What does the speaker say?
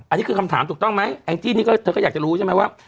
อันนี้คือคำถามถูกต้องไหมแองจี้นี่ก็เธอก็อยากจะรู้ใช่ไหมว่า